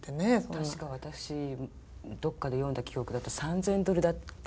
確か私どっかで読んだ記憶だと３，０００ドルだって。